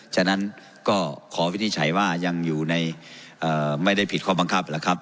ฉะนั้นก็ขอวินิจฉัยว่ายังอยู่ในไม่ได้ผิดข้อบังคับแล้วครับ